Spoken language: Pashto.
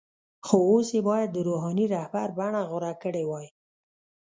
خو اوس یې باید د “روحاني رهبر” بڼه غوره کړې وای.